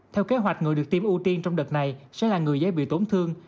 theo kế hoạch người được tiêm ưu tiên trong đợt này sẽ là người dễ bị tổn thương